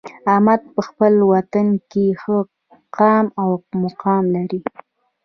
احمد په خپل وطن کې ښه قام او مقام لري.